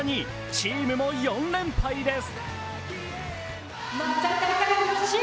チームも４連敗です。